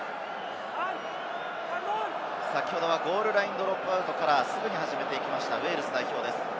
先ほどはゴールラインドロップアウトからすぐに始めていきました、ウェールズ代表です。